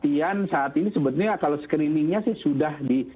kemudian saat ini sebetulnya kalau screeningnya sih sudah di